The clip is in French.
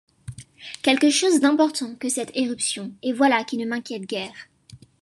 Quelque chose d’important que cette éruption, et voilà qui ne m’inquiète guère